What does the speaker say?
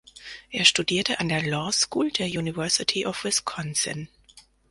Er studierte an der Law School der University of Wisconsin.